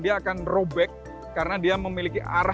dia akan robek karena dia memiliki arah gerak yang berbeda